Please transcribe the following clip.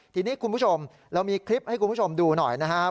ทีนี้คุณผู้ชมเรามีคลิปให้คุณผู้ชมดูหน่อยนะครับ